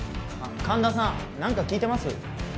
あっ神田さん何か聞いてます？